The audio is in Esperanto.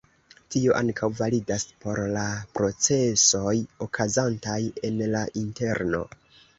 Tio ankaŭ validas por la procesoj okazantaj en la interno.